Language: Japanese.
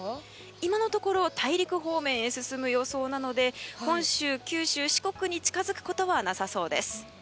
今のところ大陸方面へ進む予想なので本州、九州、四国に近づくことはなさそうです。